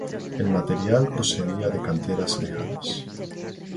El material procedía de canteras lejanas.